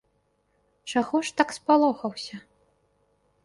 Чаго ж так спалохаўся?